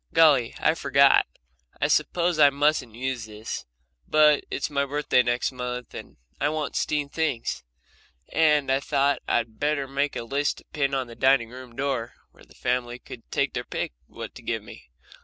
Golly, I forgot. I suppose I mustn't use this, but it's my birthday next month, and I want 'steen things, and I thought I'd better make a list to pin on the dining room door, where the family could take their pick what to give me.